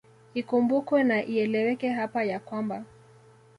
Ikumbukwe na ieleweke hapa ya kwamba